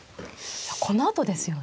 このあとですよね。